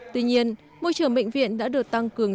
tuy nhiên môi trường bệnh viện đã được tăng cường